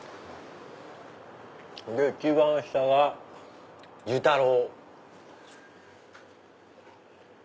一番下が寿太郎。